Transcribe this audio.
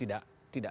tidak tidak tidak